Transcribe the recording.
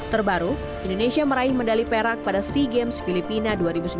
terbaru indonesia meraih medali perak pada sea games filipina dua ribu sembilan belas